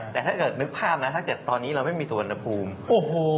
แต่ถ้าเกิดนึกภาพนะถ้าเกิดตอนนี้เราไม่มีสุวรรณภูมิโอ้โห